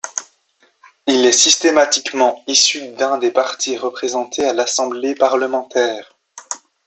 Il est systématiquement issu d'un des partis représentés à l'assemblée parlementaire.